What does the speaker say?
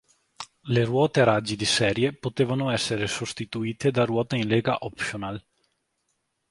Le ruote a raggi di serie potevano essere sostituite da ruote in lega optional.